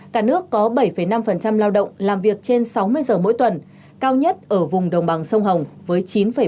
cả nước có bảy năm lao động làm việc trên sáu mươi giờ mỗi tuần cao nhất ở vùng đồng bằng sông hồng với chín bảy